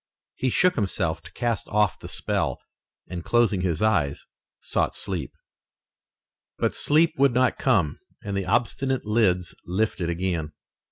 He shook himself to cast off the spell, and, closing his eyes, sought sleep. But sleep would not come and the obstinate lids lifted again.